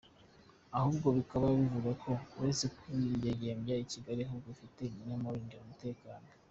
Ahubwo bikaba bivugwa ko uretse kwidegembya i Kigali ahubwo afite n’abamurindira umutekano.